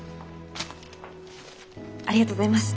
ありがとうございます。